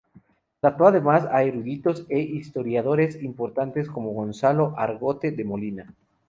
Trató además a eruditos e historiadores importantes como Gonzalo Argote de Molina.